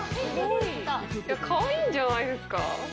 いや、かわいいんじゃないですか？